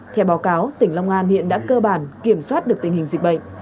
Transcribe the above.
theo báo cáo tỉnh long an hiện đã cơ bản kiểm soát được tình hình dịch bệnh